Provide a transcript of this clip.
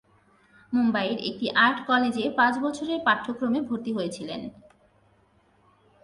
মুম্বইয়ের একটি আর্ট কলেজে পাঁচ বছরের পাঠ্যক্রমে ভর্তি হয়েছিলেন।